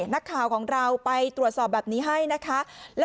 นักข่าวของเราไปตรวจสอบแบบนี้ให้นะคะ